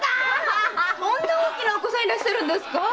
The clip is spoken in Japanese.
そんな大きなお子さんいらっしゃるんですか？